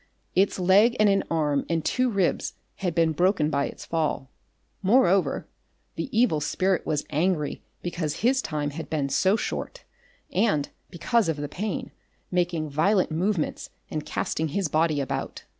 Its leg and an arm and two ribs had been broken by its fall. Moreover, the evil spirit was angry because his time had been so short and because of the painmaking violent movements and casting his body about.